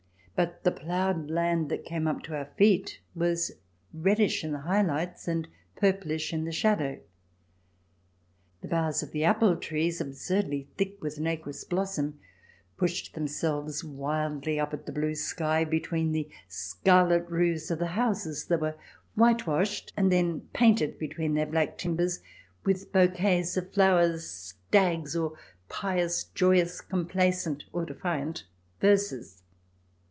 But the ploughed land that came up to our feet was reddish in the high lights and purplish in the shadow. The boughs of the apple trees, absurdly thick with nacreous blossom, pushed themselves wildly up at the blue sky between the scarlet roofs of houses that were whitewashed and then painted, between their black timbers, with bouquets of flowers, stags, or pious, joyous, complaisant, or defiant verses.